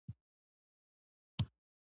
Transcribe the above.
بيا يې وسوځول پاک او صاف يې کړل